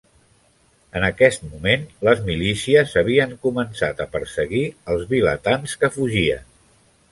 En aquest moment, les milícies havien començat a perseguir els vilatans que fugien.